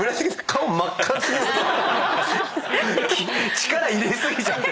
力入れ過ぎちゃってもう。